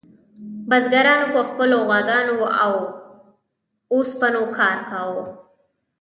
بزګرانو په خپلو غواګانو او اوسپنو کار کاوه.